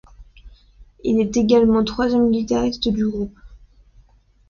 Il est également troisième guitariste du groupe.